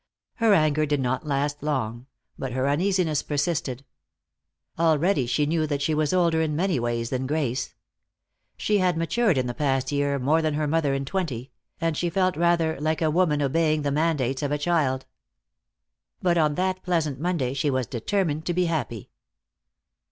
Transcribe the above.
Her anger did not last long, but her uneasiness persisted. Already she knew that she was older in many ways than Grace; she had matured in the past year more than her mother in twenty, and she felt rather like a woman obeying the mandates of a child. But on that pleasant Monday she was determined to be happy.